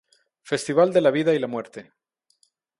Festival de la vida y la muerte.